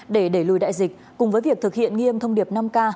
để đẩy lùi đại dịch cùng với việc thực hiện nghiêm thông điệp năm k